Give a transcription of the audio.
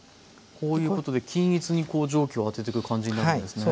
こういうことで均一に蒸気を当ててく感じになるんですね。